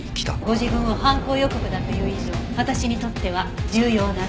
ご自分を犯行予告だと言う以上私にとっては重要な証拠です。